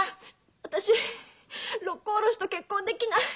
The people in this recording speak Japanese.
私六甲おろしと結婚できない。